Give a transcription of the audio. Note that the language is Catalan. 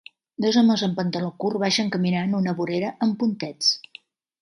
Dos homes en pantaló curt baixen caminant una vorera amb puntents